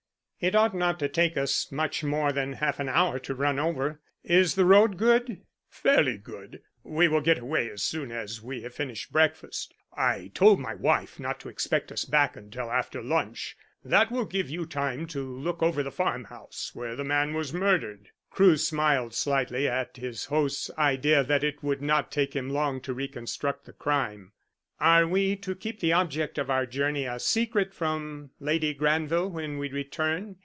"It ought not to take us much more than half an hour to run over. Is the road good?" "Fairly good. We will get away as soon as we have finished breakfast. I told my wife not to expect us back until after lunch. That will give you time to look over the farm house where the man was murdered." Crewe smiled slightly at his host's idea that it would not take him long to reconstruct the crime. "Are we to keep the object of our journey a secret from Lady Granville when we return?"